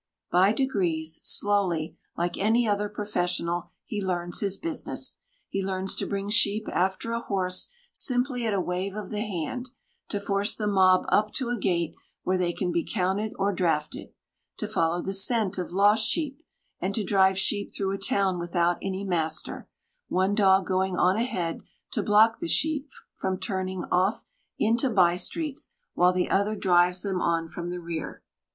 By degrees, slowly, like any other professional, he learns his business. He learns to bring sheep after a horse simply at a wave of the hand; to force the mob up to a gate where they can be counted or drafted; to follow the scent of lost sheep, and to drive sheep through a town without any master, one dog going on ahead to block the sheep from turning off into by streets while the other drives them on from the rear.